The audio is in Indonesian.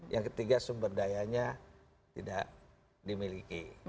yang ketiga sumber dayanya tidak dimiliki